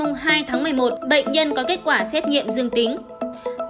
ngày hai tháng một mươi một bệnh nhân có kết quả xét nghiệm dương tính